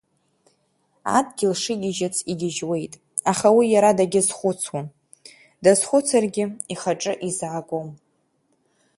Адгьыл шыгьежьыц игьежьуеит, аха уи иара дагьазхәыцуам, дазхәыцыргьы ихаҿы изаагом.